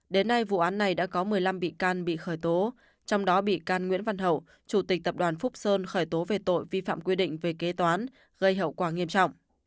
đến nay vụ án này đã có một mươi năm bị can bị khởi tố trong đó bị can nguyễn văn hậu chủ tịch tập đoàn phúc sơn khởi tố về tội vi phạm quy định về kế toán gây hậu quả nghiêm trọng